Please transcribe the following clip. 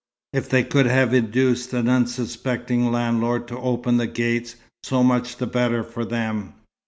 If they could have induced an unsuspecting landlord to open the gates, so much the better for them.